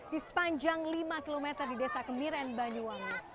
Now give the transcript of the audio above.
di sepanjang lima km di desa kemiren banyuwangi